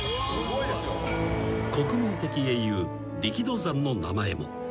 ［国民的英雄力道山の名前も］